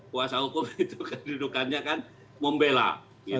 kuasa hukum itu kedudukannya kan membela gitu kan